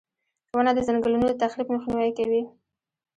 • ونه د ځنګلونو د تخریب مخنیوی کوي.